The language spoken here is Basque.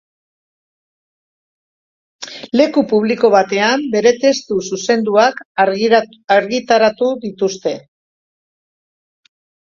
Leku publiko batean bere testu zuzenduak argitaratu dituzte.